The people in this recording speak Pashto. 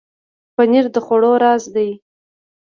پنېر د خوړو راز دی.